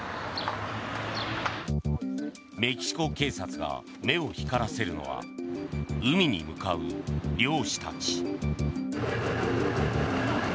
メキシコ警察が目を光らせるのは海に向かう漁師たち。